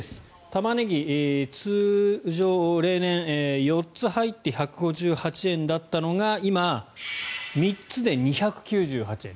タマネギ、通常、例年４つ入って１５８円だったのが今、３つで２９８円。